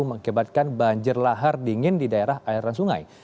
mengkebatkan banjir lahar dingin di daerah air dan sungai